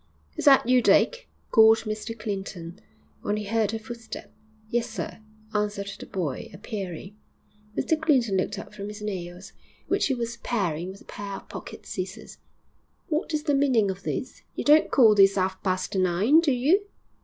'Is that you, Dick?' called Mr Clinton, when he heard a footstep. 'Yes, sir,' answered the boy, appearing. Mr Clinton looked up from his nails, which he was paring with a pair of pocket scissors. 'What is the meaning of this? You don't call this 'alf past nine, do you?'